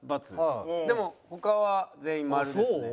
でも他は全員○ですね。